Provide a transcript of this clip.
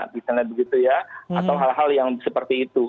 misalnya begitu ya atau hal hal yang seperti itu